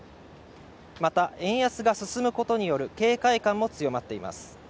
また円安が進むことによる警戒感も強まっています